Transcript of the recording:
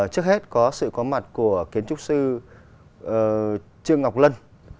trước hết có sự có mặt của kiến trúc sư trương ngọc lân